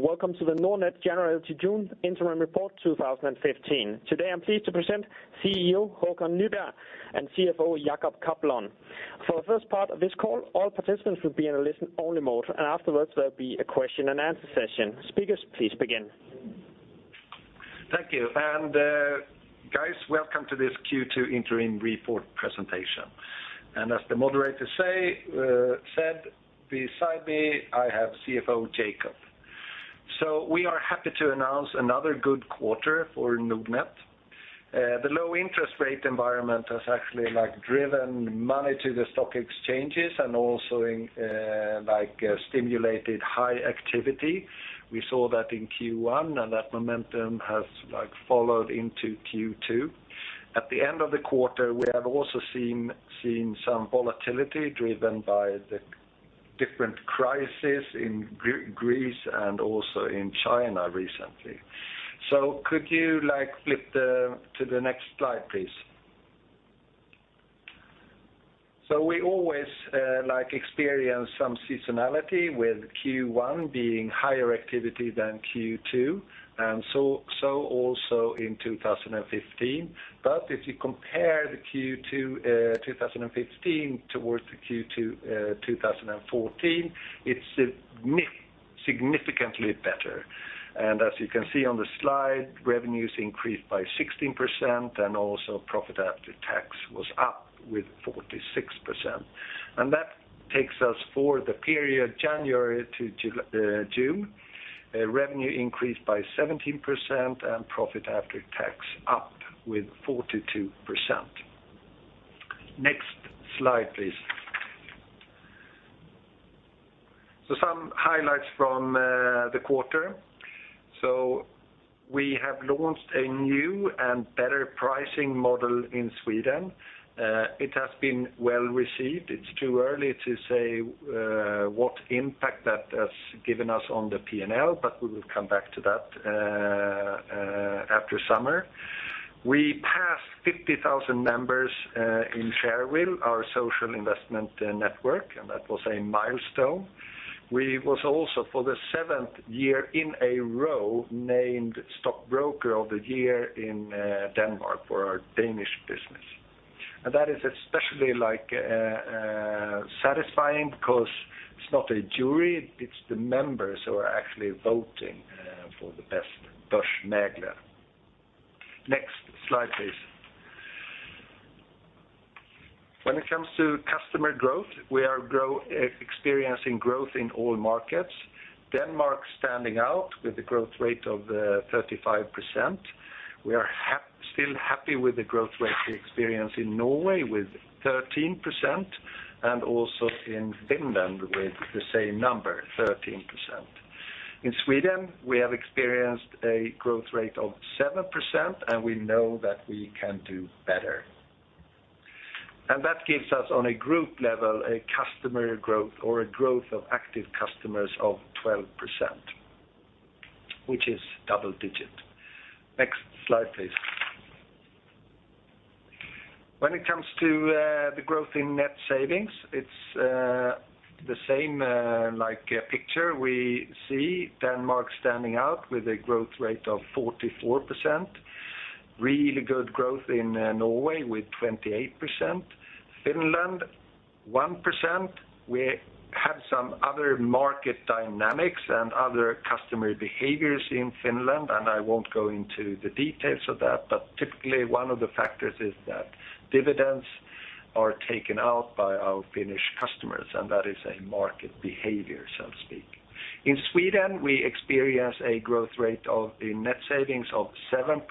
Welcome to the Nordnet January to June interim report 2015. Today I'm pleased to present CEO Håkan Nyberg and CFO Jacob Kaplan. For the first part of this call, all participants will be in a listen only mode. Afterwards there'll be a question and answer session. Speakers, please begin. Thank you. Guys, welcome to this Q2 interim report presentation. As the moderator said, beside me I have CFO Jacob. We are happy to announce another good quarter for Nordnet. The low interest rate environment has actually driven money to the stock exchanges and also stimulated high activity. We saw that in Q1 and that momentum has followed into Q2. At the end of the quarter, we have also seen some volatility driven by the different crisis in Greece and also in China recently. Could you flip to the next slide, please? We always experience some seasonality with Q1 being higher activity than Q2, also in 2015. If you compare the Q2 2015 towards the Q2 2014, it's significantly better. As you can see on the slide, revenues increased by 16% and also profit after tax was up with 46%. That takes us for the period January to June, revenue increased by 17% and profit after tax up with 42%. Next slide, please. Some highlights from the quarter. We have launched a new and better pricing model in Sweden. It has been well received. It's too early to say what impact that has given us on the P&L, but we will come back to that, after summer. We passed 50,000 members in Shareville, our social investment network, and that was a milestone. We was also for the seventh year in a row, named stockbroker of the year in Denmark for our Danish business. That is especially satisfying because it's not a jury, it's the members who are actually voting for the best börsmäklare. Next slide, please. When it comes to customer growth, we are experiencing growth in all markets. Denmark standing out with the growth rate of 35%. We are still happy with the growth rate we experience in Norway with 13% and also in Finland with the same number, 13%. In Sweden, we have experienced a growth rate of 7% and we know that we can do better. That gives us on a group level a customer growth or a growth of active customers of 12%, which is double digit. Next slide, please. When it comes to the growth in net savings, it's the same picture we see. Denmark standing out with a growth rate of 44%. Really good growth in Norway with 28%. Finland, 1%. We have some other market dynamics and other customer behaviors in Finland, I won't go into the details of that. Typically, one of the factors is that dividends are taken out by our Finnish customers, and that is a market behavior, so to speak. In Sweden, we experience a growth rate of the net savings of 7%,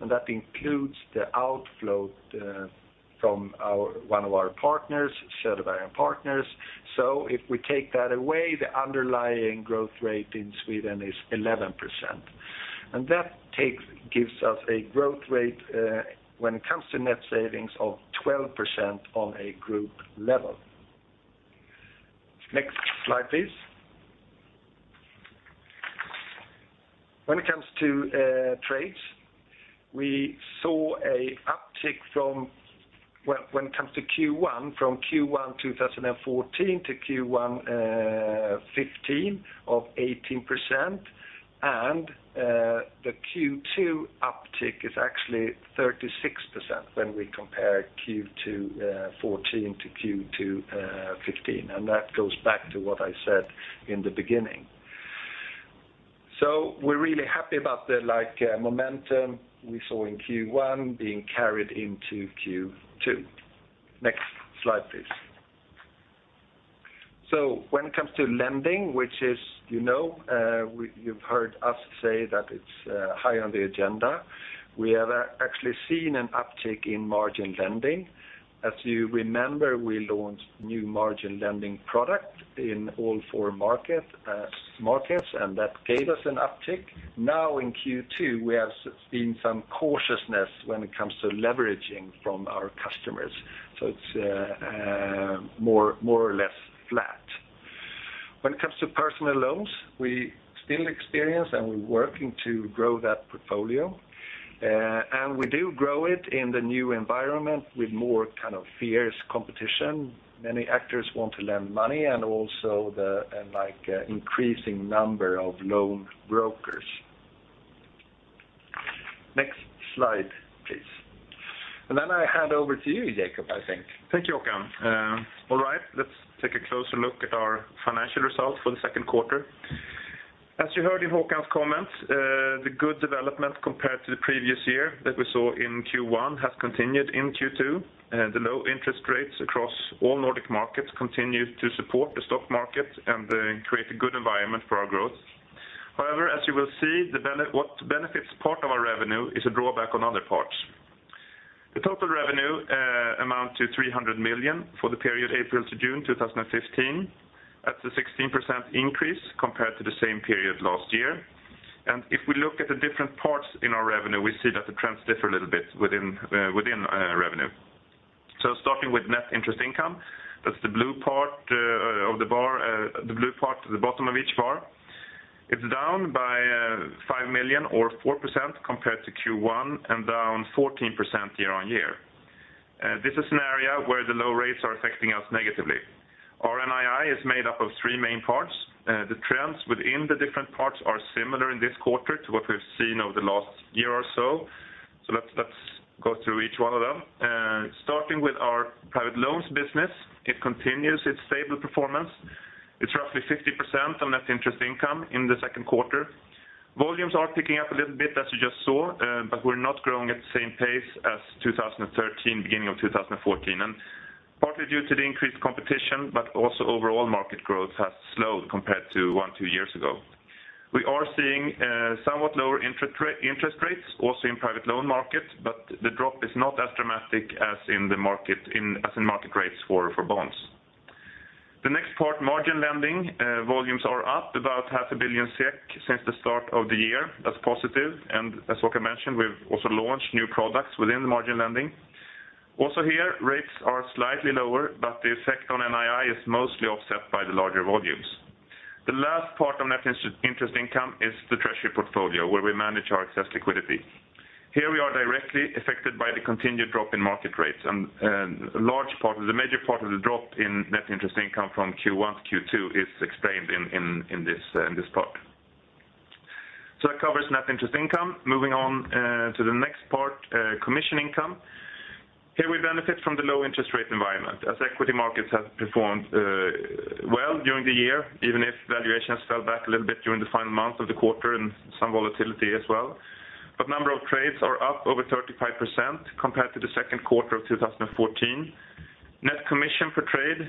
and that includes the outflow from one of our partners, Söderberg & Partners. If we take that away, the underlying growth rate in Sweden is 11%. That gives us a growth rate when it comes to net savings of 12% on a group level. Next slide, please. When it comes to trades, we saw an uptick from Q1 2014 to Q1 2015 of 18%, and the Q2 uptick is actually 36% when we compare Q2 2014 to Q2 2015. That goes back to what I said in the beginning. We're really happy about the momentum we saw in Q1 being carried into Q2. Next slide, please. When it comes to lending, which you've heard us say is high on the agenda. We have actually seen an uptick in margin lending. As you remember, we launched new margin lending product in all four markets, and that gave us an uptick. Now in Q2, we have seen some cautiousness when it comes to leveraging from our customers. It's more or less flat. When it comes to personal loans, we still experience and we're working to grow that portfolio. We do grow it in the new environment with more fierce competition. Many actors want to lend money and also the increasing number of loan brokers. Next slide, please. I hand over to you, Jacob, I think. Thank you, Håkan. All right, let's take a closer look at our financial results for the second quarter. As you heard in Håkan's comments, the good development compared to the previous year that we saw in Q1 has continued in Q2. The low interest rates across all Nordic markets continue to support the stock market and create a good environment for our growth. However, as you will see, what benefits part of our revenue is a drawback on other parts. The total revenue amounts to 300 million for the period April to June 2015. That's a 16% increase compared to the same period last year. If we look at the different parts in our revenue, we see that the trends differ a little bit within revenue. Starting with net interest income, that's the blue part of the bottom of each bar. It's down by 5 million or 4% compared to Q1 and down 14% year on year. This is an area where the low rates are affecting us negatively. Our NII is made up of three main parts. The trends within the different parts are similar in this quarter to what we've seen over the last year or so. Let's go through each one of them. Starting with our private loans business, it continues its stable performance. It's roughly 50% on net interest income in the second quarter. Volumes are picking up a little bit, as you just saw, but we're not growing at the same pace as 2013, beginning of 2014. Partly due to the increased competition, but also overall market growth has slowed compared to one, two years ago. We are seeing somewhat lower interest rates also in private loan markets, but the drop is not as dramatic as in market rates for bonds. The next part, margin lending. Volumes are up about half a billion SEK since the start of the year. That's positive, and as Håkan Nyberg mentioned, we've also launched new products within the margin lending. Also here, rates are slightly lower, but the effect on NII is mostly offset by the larger volumes. The last part of net interest income is the treasury portfolio, where we manage our excess liquidity. Here we are directly affected by the continued drop in market rates, and the major part of the drop in net interest income from Q1 to Q2 is explained in this part. That covers net interest income. Moving on to the next part, commission income. Here we benefit from the low interest rate environment as equity markets have performed well during the year, even if valuations fell back a little bit during the final months of the quarter and some volatility as well. But number of trades are up over 35% compared to the second quarter of 2014. Net commission per trade,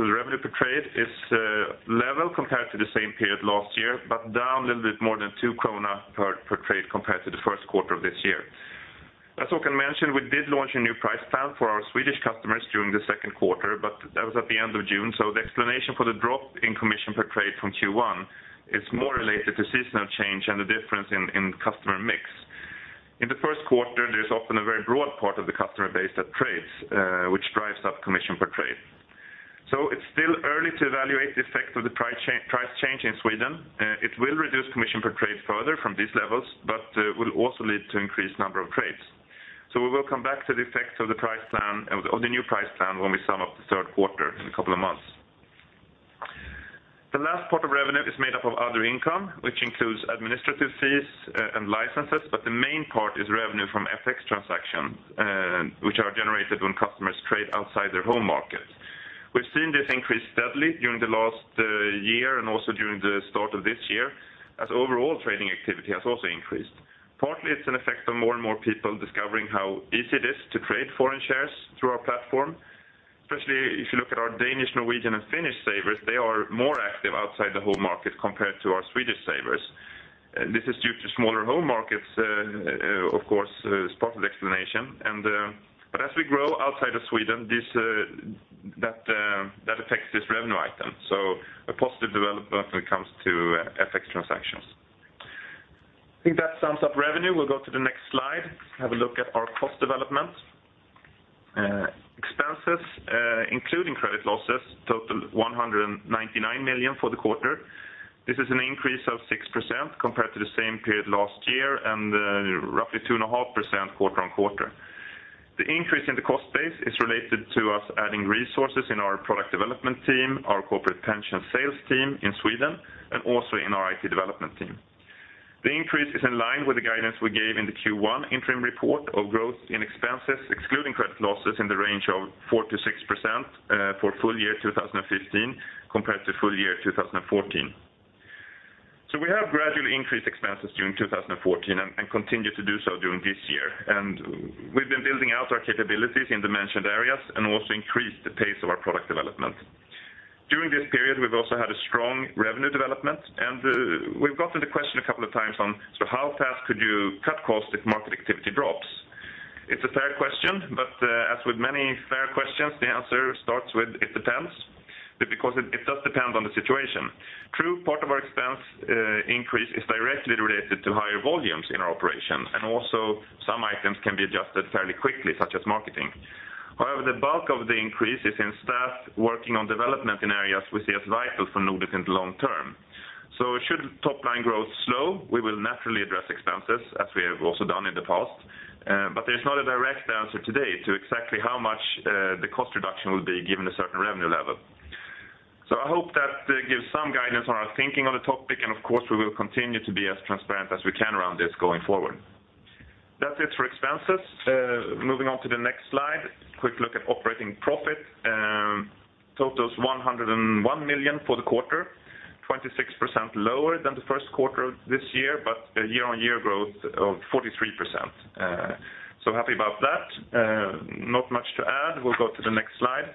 so the revenue per trade is level compared to the same period last year, but down a little bit more than 2 krona per trade compared to the first quarter of this year. As Håkan mentioned we did launch a new price plan for our Swedish customers during the second quarter, but that was at the end of June, so the explanation for the drop in commission per trade from Q1 is more related to seasonal change and the difference in customer mix. In the first quarter, there's often a very broad part of the customer base that trades which drives up commission per trade. So it's still early to evaluate the effect of the price change in Sweden. It will reduce commission per trade further from these levels, but will also lead to increased number of trades. We will come back to the effect of the new price plan when we sum up the third quarter in a couple of months. The last part of revenue is made up of other income, which includes administrative fees and licenses, but the main part is revenue from FX transactions which are generated when customers trade outside their home market. We've seen this increase steadily during the last year and also during the start of this year, as overall trading activity has also increased. Partly it's an effect of more and more people discovering how easy it is to trade foreign shares through our platform. Especially if you look at our Danish, Norwegian and Finnish savers, they are more active outside the home market compared to our Swedish savers. This is due to smaller home markets, of course, is part of the explanation. But as we grow outside of Sweden that affects this revenue item. So a positive development when it comes to FX transactions. I think that sums up revenue. We'll go to the next slide, have a look at our cost development. Expenses including credit losses totaled 199 million for the quarter. This is an increase of 6% compared to the same period last year and roughly 2.5% quarter-on-quarter. The increase in the cost base is related to us adding resources in our product development team, our corporate pension sales team in Sweden, and also in our IT development team. The increase is in line with the guidance we gave in the Q1 interim report of growth in expenses excluding credit losses in the range of 4%-6% for full year 2015 compared to full year 2014. We have gradually increased expenses during 2014 and continue to do so during this year. We've been building out our capabilities in the mentioned areas and also increased the pace of our product development. During this period we've also had a strong revenue development and we've gotten the question a couple of times on, how fast could you cut costs if market activity drops? It's a fair question, as with many fair questions, the answer starts with it depends, because it does depend on the situation. True, part of our expense increase is directly related to higher volumes in our operations, and also some items can be adjusted fairly quickly, such as marketing. However, the bulk of the increase is in staff working on development in areas we see as vital for Nordnet in the long term. Should top-line growth slow, we will naturally address expenses as we have also done in the past. There's not a direct answer today to exactly how much the cost reduction will be given a certain revenue level. I hope that gives some guidance on our thinking on the topic, and of course, we will continue to be as transparent as we can around this going forward. That's it for expenses. Moving on to the next slide. Quick look at operating profit. Totals 101 million for the quarter, 26% lower than the first quarter of this year, but a year-on-year growth of 43%. Happy about that. Not much to add. We'll go to the next slide.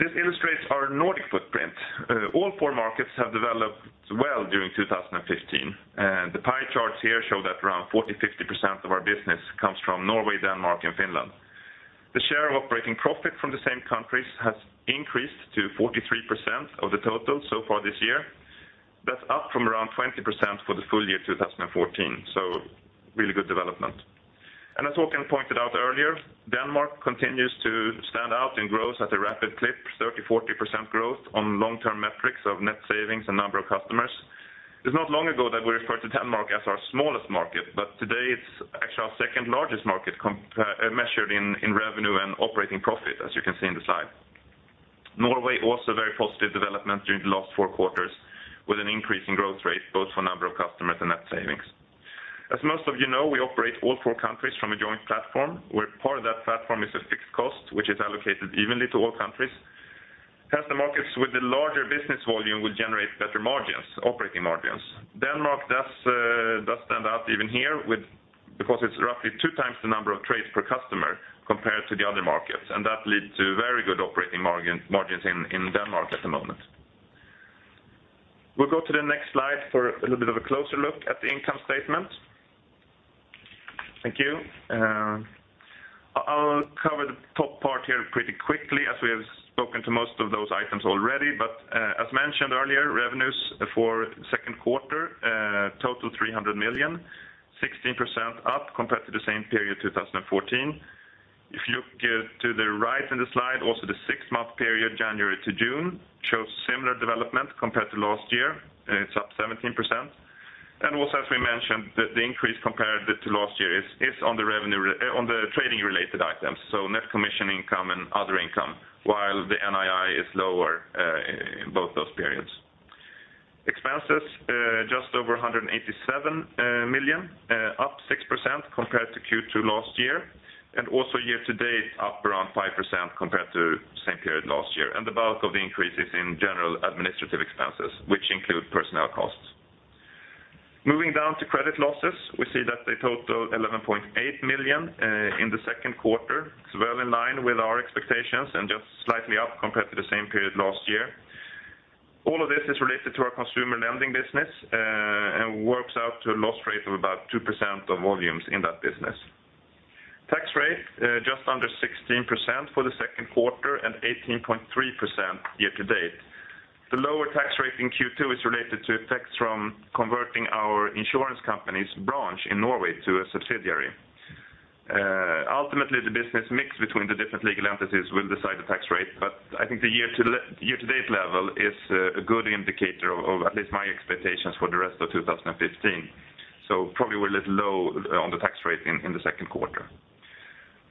This illustrates our Nordic footprint. All four markets have developed well during 2015. The pie charts here show that around 40%-50% of our business comes from Norway, Denmark, and Finland. The share of operating profit from the same countries has increased to 43% of the total so far this year. That's up from around 20% for the full year 2014, really good development. As Håkan pointed out earlier, Denmark continues to stand out and grows at a rapid clip, 30%-40% growth on long-term metrics of net savings and number of customers. It's not long ago that we referred to Denmark as our smallest market, today it's actually our second-largest market measured in revenue and operating profit, as you can see in the slide. Norway, also very positive development during the last four quarters, with an increase in growth rate both for number of customers and net savings. As most of you know, we operate all four countries from a joint platform, where part of that platform is a fixed cost, which is allocated evenly to all countries. Hence, the markets with the larger business volume will generate better margins, operating margins. Denmark does stand out even here because it's roughly two times the number of trades per customer compared to the other markets, and that leads to very good operating margins in Denmark at the moment. We'll go to the next slide for a little bit of a closer look at the income statement. Thank you. I'll cover the top part here pretty quickly as we have spoken to most of those items already. As mentioned earlier, revenues for the second quarter total 300 million, 16% up compared to the same period 2014. If you look to the right in the slide, also the six-month period, January to June, shows similar development compared to last year. It's up 17%. Also, as we mentioned, the increase compared to last year is on the trading-related items, so net commission income and other income, while the NII is lower in both those periods. Expenses, just over 187 million, up 6% compared to Q2 last year, and also year to date, up around 5% compared to the same period last year. The bulk of the increase is in general administrative expenses, which include personnel costs. Moving down to credit losses, we see that they total 11.8 million in the second quarter. It's well in line with our expectations and just slightly up compared to the same period last year. All of this is related to our consumer lending business and works out to a loss rate of about 2% of volumes in that business. Tax rate, just under 16% for the second quarter and 18.3% year to date. The lower tax rate in Q2 is related to effects from converting our insurance company's branch in Norway to a subsidiary. Ultimately, the business mix between the different legal entities will decide the tax rate, but I think the year-to-date level is a good indicator of at least my expectations for the rest of 2015. Probably we're a little low on the tax rate in the second quarter.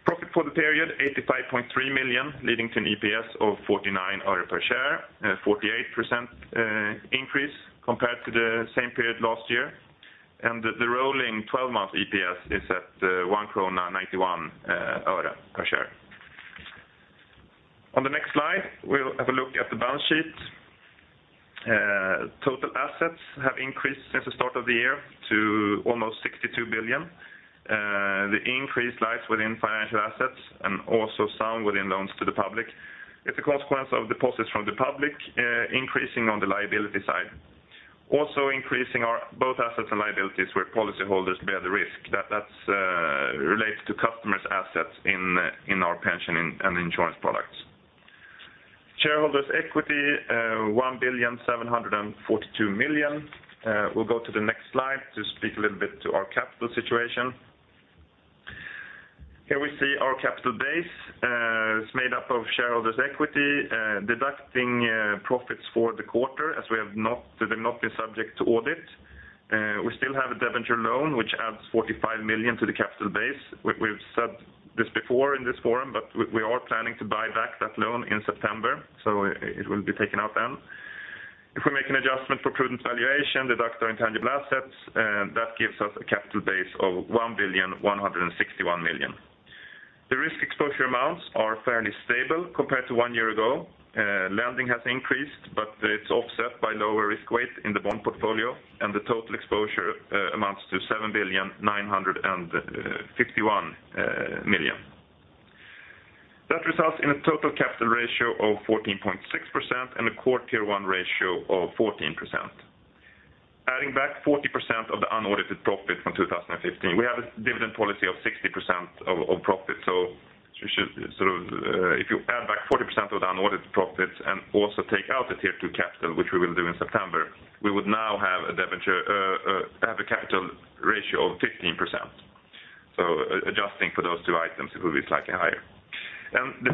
Profit for the period, 85.3 million, leading to an EPS of 49 öre per share, a 48% increase compared to the same period last year. The rolling 12-month EPS is at 1 krona 91 öre per share. On the next slide, we'll have a look at the balance sheet. Total assets have increased since the start of the year to almost 62 billion. The increase lies within financial assets and also some within loans to the public. It's a consequence of deposits from the public increasing on the liability side. Increasing are both assets and liabilities where policyholders bear the risk. That's related to customers' assets in our pension and insurance products. Shareholders' equity, 1 billion 742 million. We'll go to the next slide to speak a little bit to our capital situation. Here we see our capital base. It's made up of shareholders' equity, deducting profits for the quarter as they've not been subject to audit. We still have a debenture loan, which adds 45 million to the capital base. We've said this before in this forum. We are planning to buy back that loan in September, so it will be taken out then. If we make an adjustment for prudent valuation, deduct our intangible assets, that gives us a capital base of 1 billion 161 million. The risk exposure amounts are fairly stable compared to one year ago. Lending has increased, but it's offset by lower risk weight in the bond portfolio. The total exposure amounts to 7 billion 951 million. That results in a total capital ratio of 14.6% and a core Tier 1 ratio of 14%. Adding back 40% of the unaudited profit from 2015, we have a dividend policy of 60% of profit. If you add back 40% of the unaudited profits and also take out the Tier 2 capital, which we will do in September, we would now have a capital ratio of 15%. Adjusting for those two items, it will be slightly higher. The 15%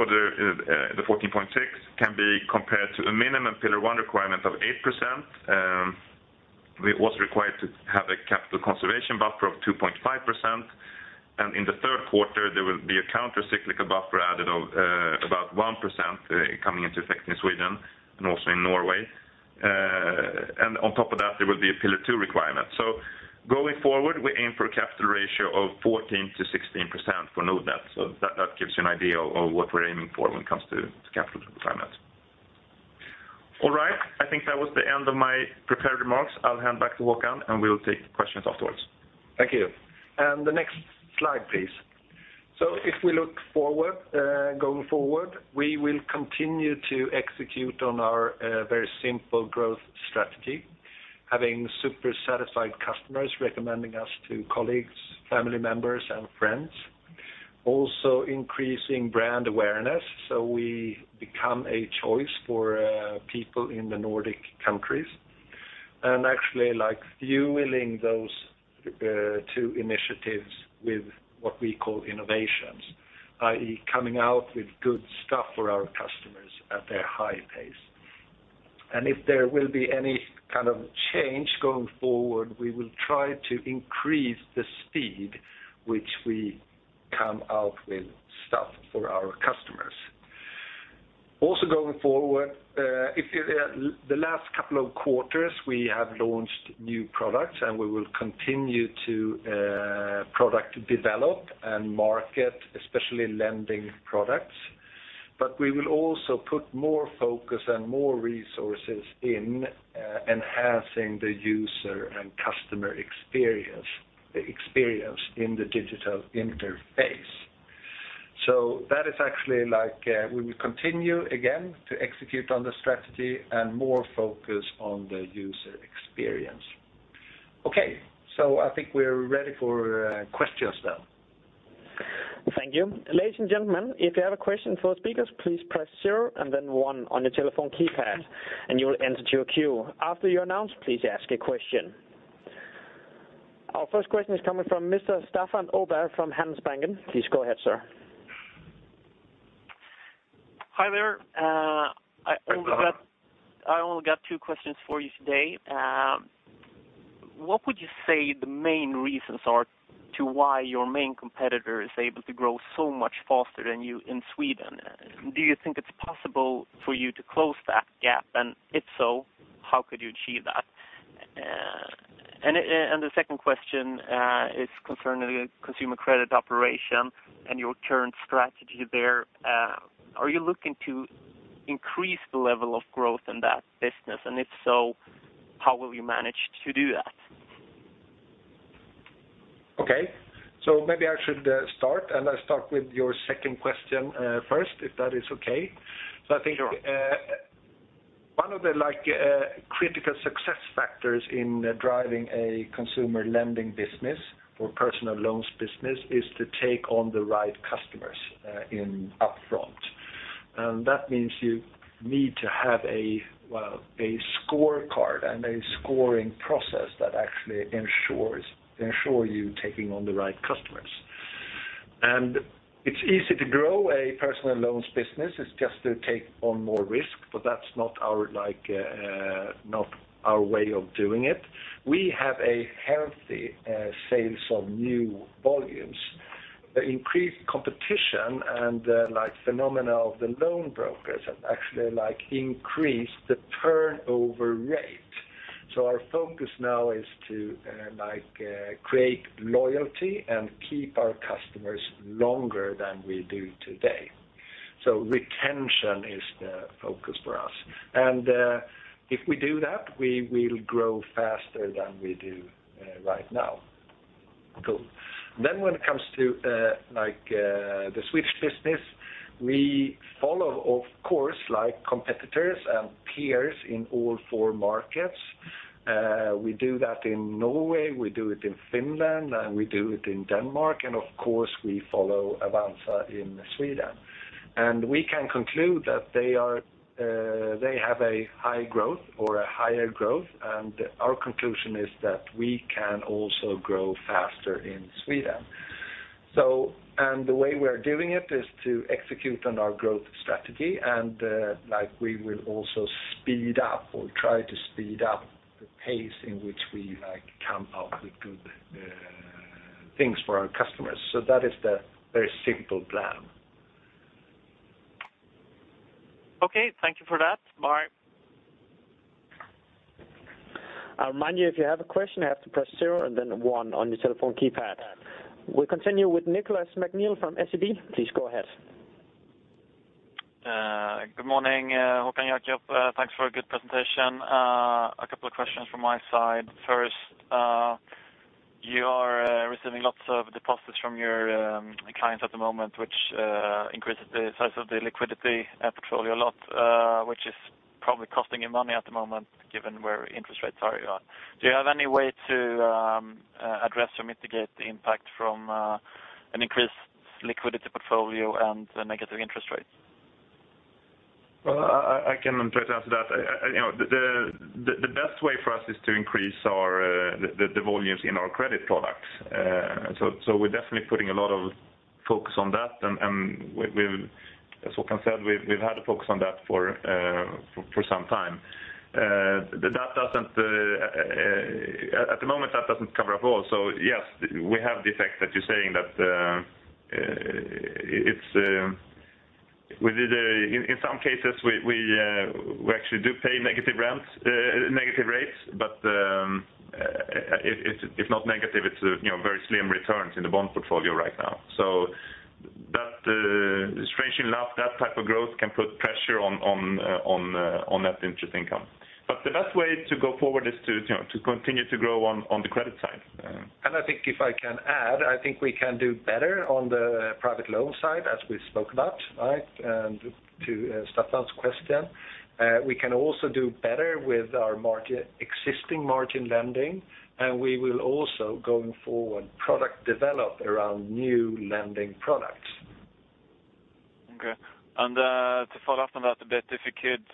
or the 14.6 can be compared to a minimum Pillar 1 requirement of 8%. We also required to have a capital conservation buffer of 2.5%. In the third quarter, there will be a countercyclical buffer added of about 1% coming into effect in Sweden and also in Norway. On top of that, there will be a Pillar 2 requirement. Going forward, we aim for a capital ratio of 14%-16% for Nordnet. That gives you an idea of what we're aiming for when it comes to capital requirements. All right. I think that was the end of my prepared remarks. I'll hand back to Håkan, and we'll take questions afterwards. Thank you. The next slide, please. If we look forward, going forward, we will continue to execute on our very simple growth strategy. Having super satisfied customers recommending us to colleagues, family members, and friends. Also increasing brand awareness, so we become a choice for people in the Nordic countries. Actually fueling those two initiatives with what we call innovations, i.e., coming out with good stuff for our customers at a high pace. If there will be any kind of change going forward, we will try to increase the speed which we come out with stuff for our customers. Also going forward, the last couple of quarters, we have launched new products, and we will continue to product develop and market, especially lending products. We will also put more focus and more resources in enhancing the user and customer experience in the digital interface. That is actually like we will continue again to execute on the strategy and more focus on the user experience. Okay, I think we're ready for questions now. Thank you. Ladies and gentlemen, if you have a question for the speakers, please press zero and then one on your telephone keypad, and you will enter to a queue. After you're announced, please ask a question. Our first question is coming from Mr. Staffan Åberg from Handelsbanken. Please go ahead, sir. Hi there. Hi, Staffan. I only got two questions for you today. What would you say the main reasons are to why your main competitor is able to grow so much faster than you in Sweden? Do you think it's possible for you to close that gap? If so, how could you achieve that? The second question is concerning the consumer credit operation and your current strategy there. Are you looking to increase the level of growth in that business? If so, how will you manage to do that? Okay. Maybe I should start, I'll start with your second question first, if that is okay. Sure. I think one of the critical success factors in driving a consumer lending business or personal loans business is to take on the right customers upfront. That means you need to have a scorecard and a scoring process that actually ensures you're taking on the right customers. It's easy to grow a personal loans business. It's just to take on more risk, but that's not our way of doing it. We have a healthy sales of new volumes. The increased competition and phenomena of the loan brokers have actually increased the turnover rate. Our focus now is to create loyalty and keep our customers longer than we do today. Retention is the focus for us. If we do that, we will grow faster than we do right now. Cool. When it comes to the Swedish business, we follow, of course, competitors and peers in all four markets. We do that in Norway, we do it in Finland, we do it in Denmark, of course, we follow Avanza in Sweden. We can conclude that they have a high growth or a higher growth, our conclusion is that we can also grow faster in Sweden. The way we're doing it is to execute on our growth strategy, we will also speed up or try to speed up the pace in which we come up with good things for our customers. That is the very simple plan. Okay. Thank you for that. Bye. I'll remind you, if you have a question, you have to press zero and then one on your telephone keypad. We'll continue with Nicklas McNeill from SEB. Please go ahead. Good morning, Håkan, Jacob. Thanks for a good presentation. A couple of questions from my side. First, you are receiving lots of deposits from your clients at the moment, which increases the size of the liquidity portfolio a lot, which is probably costing you money at the moment, given where interest rates are. Do you have any way to address or mitigate the impact from an increased liquidity portfolio and negative interest rates? Well, I can try to answer that. The best way for us is to increase the volumes in our credit products. We're definitely putting a lot of focus on that, and as Håkan said, we've had a focus on that for some time. At the moment that doesn't cover up all. Yes, we have the effect that you're saying that in some cases, we actually do pay negative rents, negative rates, but if not negative, it's very slim returns in the bond portfolio right now. That strangely enough, that type of growth can put pressure on net interest income. The best way to go forward is to continue to grow on the credit side. I think if I can add, I think we can do better on the private loan side as we spoke about, right? To Staffan's question, we can also do better with our existing margin lending, we will also going forward product develop around new lending products. Okay. To follow up on that a bit, if you could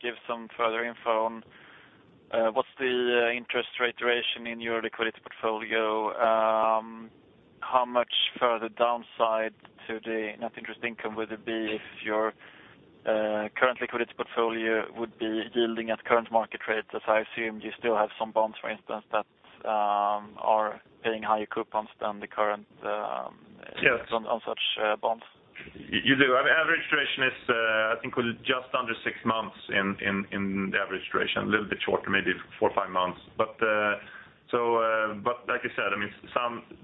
give some further info on what's the interest rate duration in your liquidity portfolio? How much further downside to the net interest income would it be if your current liquidity portfolio would be yielding at current market rates, as I assume you still have some bonds, for instance, that are paying higher coupons than the current. Yes On such bonds. You do. Our average duration is, I think, just under six months in the average duration, a little bit shorter, maybe four, five months. Like I said,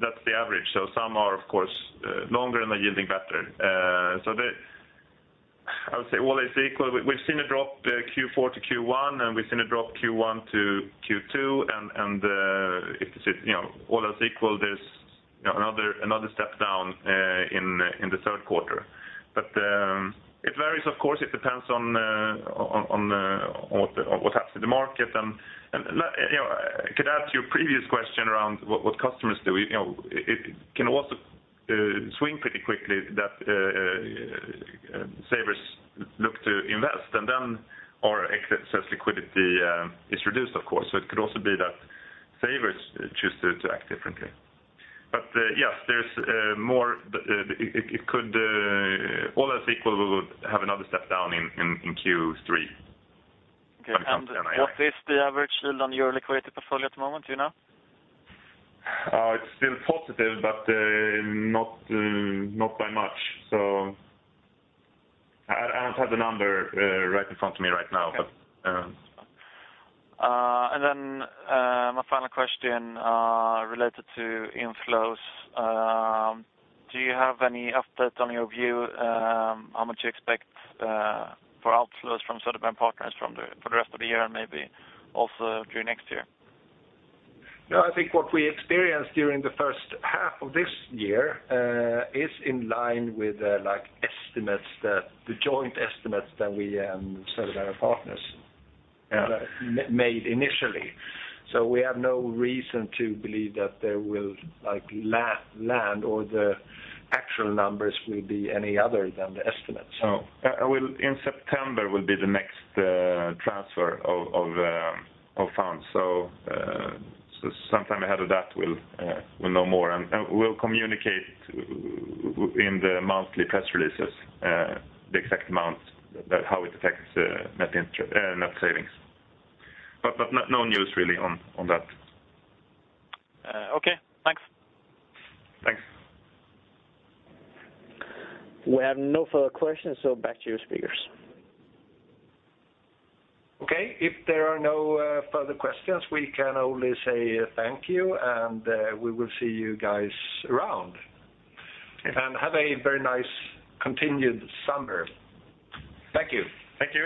that's the average. Some are of course longer and are yielding better. I would say all else equal, we've seen a drop Q4 to Q1, we've seen a drop Q1 to Q2, all else equal, there's another step down in the third quarter. It varies, of course, it depends on what happens in the market. I could add to your previous question around what customers do. It can also swing pretty quickly that savers look to invest and then our excess liquidity is reduced, of course. It could also be that savers choose to act differently. Yes, all else equal, we would have another step down in Q3. Okay. What is the average yield on your liquidity portfolio at the moment, do you know? It's still positive, but not by much. I don't have the number right in front of me right now. My final question related to inflows. Do you have any update on your view how much you expect for outflows from Söderberg & Partners for the rest of the year and maybe also during next year? No, I think what we experienced during the first half of this year is in line with the joint estimates that we and Söderberg & Partners made initially. We have no reason to believe that they will land or the actual numbers will be any other than the estimates. In September will be the next transfer of funds. Sometime ahead of that, we'll know more, and we'll communicate in the monthly press releases the exact amounts that how it affects net savings. No news really on that. Okay, thanks. Thanks. We have no further questions, back to you speakers. Okay. If there are no further questions, we can only say thank you, and we will see you guys around. Have a very nice continued summer. Thank you. Thank you.